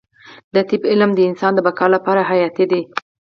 د طب علم د انسان د بقا لپاره حیاتي دی